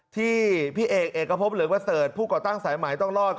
ที่พี่เอกเอกพบเหลืองประเสริฐผู้ก่อตั้งสายหมายต้องรอด